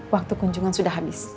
waktu kunjungan sudah habis